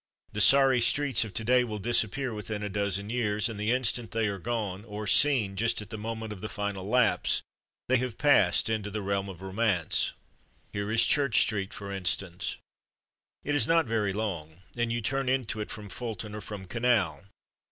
The sorry streets of to day will disappear within a dozen years, and the instant they are gone, or seen just at the moment of the final lapse, they have passed into the realm of romance. Here is Church Street, for instance; it is not very long, and you turn into it from Fulton or from Canal.